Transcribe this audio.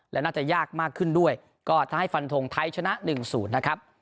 และน่าจะยากมากขึ้นด้วยก็ถ้าให้ฟันทงไทยชนะ๑๐นะครับ